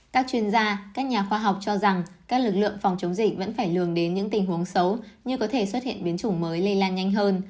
các chuyên gia các nhà khoa học cho rằng các lực lượng phòng chống dịch vẫn phải lường đến những tình huống xấu như có thể xuất hiện biến chủng mới lây lan nhanh hơn